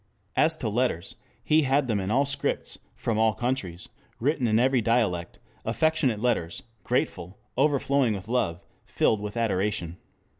As to letters, he had them in all scripts, from all countries, written in every dialect, affectionate letters, grateful, overflowing with love, filled with adoration.